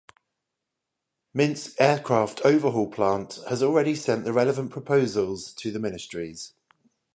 Minsk Aircraft Overhaul Plant has already sent the relevant proposals to the ministries.